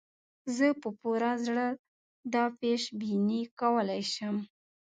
زه په پوره زړه دا پېش بیني کولای شم.